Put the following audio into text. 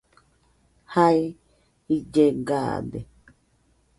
Jae ille gaade.